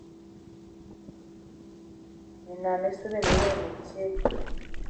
Minnǝm mí saligi bod ai mintye,